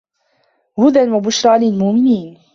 هُدًى وَبُشرى لِلمُؤمِنينَ